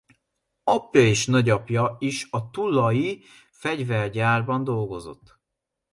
Apja és nagyapja is a tulai fegyvergyárban dolgozott.